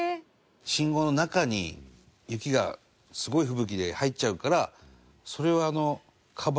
信号の中に雪がすごい吹雪で入っちゃうからそれをあのカバーでこう。